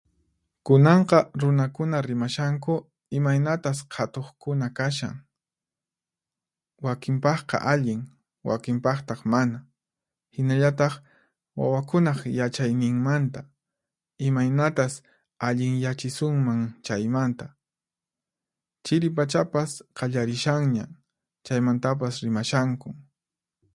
Kunanqa runakuna rimashanku imaynatas qhatuqkuna kashan, wakinpaqqa allin, wakinpaqtaq mana. Hinallataq, wawakunaq yachayninmanta, imaynatas allinyachisunman chaymanta. Chiri pachapas qallarishanñan, chaymantapas rimashankun.